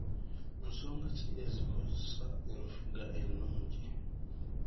Nsonga ki ezikosa enfuga ennungi?